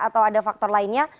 atau ada faktor lainnya